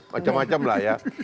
macam macam lah ya